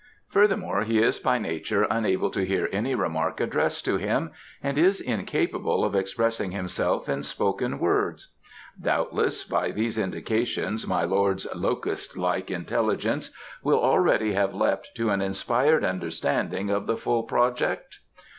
Furthermore, he is by nature unable to hear any remark addressed to him, and is incapable of expressing himself in spoken words. Doubtless by these indications my lord's locust like intelligence will already have leapt to an inspired understanding of the full project?"